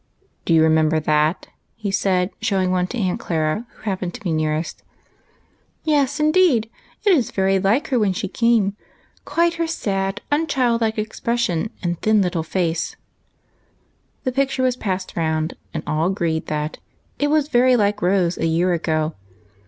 " Do you remember that ?" he said, showing one to Aunt Clara, who happened to be nearest. "Yes, indeed; it is very like her when she came. Quite her sad, unchildlike expression, and thin little face, with the big dark eyes." The picture was passed round, and all agreed that " it was very like Rose a year ago."